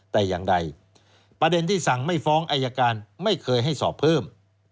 แต่อย่างใดประเด็นที่สั่งไม่ฟ้องอายการไม่เคยให้สอบเพิ่ม